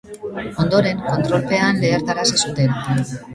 Ondoren, kontrolpean lehertarazi zuten.